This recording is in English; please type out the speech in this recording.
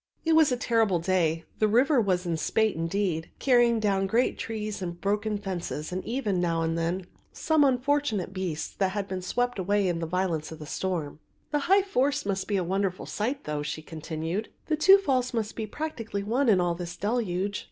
It was a terrible day, the river was in spate indeed, carrying down great trees and broken fences and even, now and then, some unfortunate beast that had been swept away in the violence of the storm. In torrent. "The High Force must be a wonderful sight though," she continued, "the two falls must be practically one in all this deluge."